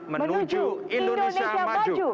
menuju indonesia maju